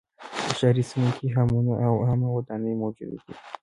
په ښاري سیمو کې حمونه او عامه ودانۍ موجودې وې